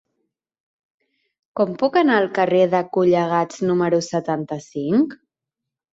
Com puc anar al carrer de Collegats número setanta-cinc?